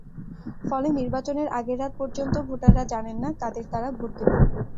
ফলে নির্বাচনের আগের রাত পর্যন্তও ভোটাররা জানেন না, কাদের তাঁরা ভোট দেবেন।